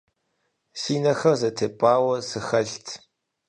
Си нэхэр зэтепӀауэ сыхэлът.